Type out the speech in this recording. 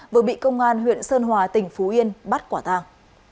vừa bị công an huyện sơn hòa tỉnh phú yên bắt quả tàng